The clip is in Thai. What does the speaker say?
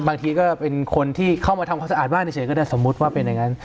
บางทีก็เป็นคนที่เข้ามาทำความสะอาดบ้านเฉยก็ได้สมมุติว่าเป็นอย่างนั้น